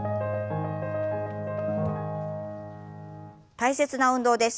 大切な運動です。